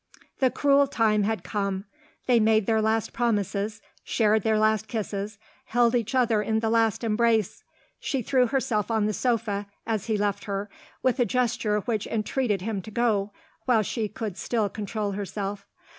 The cruel time had come. They made their last promises; shared their last kisses; held each other in the last embrace. She threw herself on the sofa, as he left her with a gesture which entreated him to go, while she could still control herself.